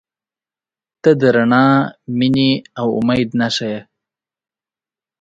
• ته د رڼا، مینې، او امید نښه یې.